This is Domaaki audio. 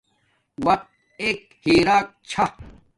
وقت ایک ہیراک چھا